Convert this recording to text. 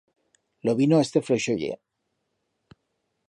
Lo vino este floixo ye.